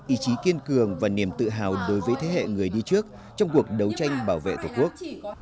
ý chí kiên cường và niềm tự hào đối với thế hệ người đi trước trong cuộc đấu tranh bảo vệ tổ quốc